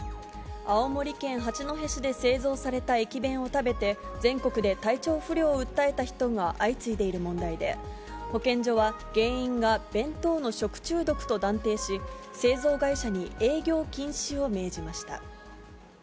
青森県八戸市で製造された駅弁を食べて、全国で体調不良を訴えた人が相次いでいる問題で、保健所は原因が弁当の食中毒と断定し、製造会社に営業禁止を命じました。